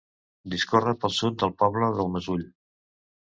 Discorre pel sud del poble del Mesull.